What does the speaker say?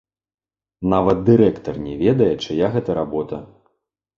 Нават дырэктар не ведае, чыя гэта работа.